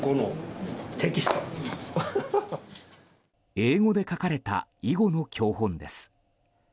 英語で書かれた囲碁の教本です。